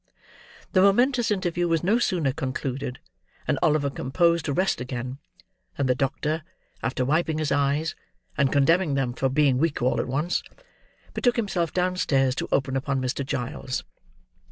The momentous interview was no sooner concluded, and Oliver composed to rest again, than the doctor, after wiping his eyes, and condemning them for being weak all at once, betook himself downstairs to open upon Mr. Giles.